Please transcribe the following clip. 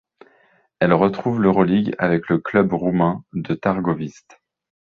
Elle retrouve l'Euroligue avec le club roumain de Târgovişte.